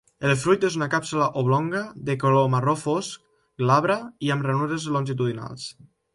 El fruit és una càpsula oblonga de color marró fosc, glabra i amb ranures longitudinals.